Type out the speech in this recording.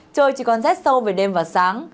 trời chỉ còn rét sâu về đêm và sáng